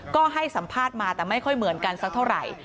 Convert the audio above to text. ก็ให้สัมภาษณ์มาแต่ไม่ค่อยเหมือนกันสักเท่าไหร่